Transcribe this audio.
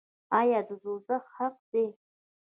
آیا دوزخ حق دی؟